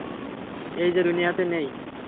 যে এই দুনিয়াতে নেই।